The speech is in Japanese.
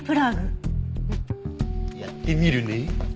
うんやってみるね。